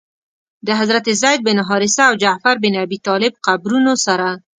د حضرت زید بن حارثه او جعفر بن ابي طالب قبرونو سره.